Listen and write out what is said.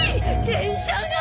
電車が！